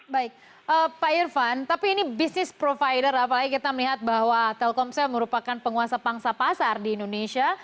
baik pak irvan tapi ini bisnis provider apalagi kita melihat bahwa telkomsel merupakan penguasa pangsa pasar di indonesia